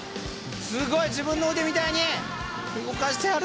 すごい自分の腕みたいに動かしてはる！